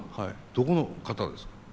どこの方ですか？